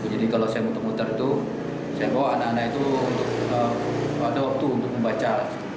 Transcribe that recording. jadi kalau saya muter muter itu saya bawa anak anak itu untuk ada waktu untuk membaca